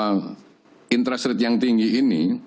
kita memperkirakan bahwa interest rate yang tinggi ini